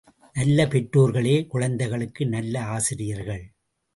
நல்ல பெற்றோர்களே குழந்தைகளுக்கு நல்ல ஆசிரியர்கள்.